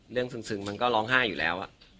เรื่องซึ้งมันก็ร้องห้าอยู่แล้วอ่ะ